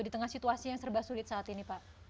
di tengah situasi yang serba sulit saat ini pak